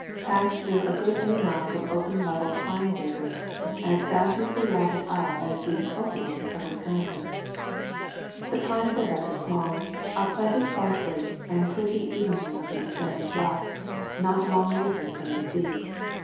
Passed through a good many miles of open level pine barrens, as bounteously lighted as the "openings" of Wisconsin. The pines are rather small, are planted sparsely and pretty evenly on these sandy flats not long risen from the sea.